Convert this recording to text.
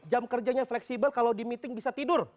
jam kerjanya fleksibel kalau di meeting bisa tidur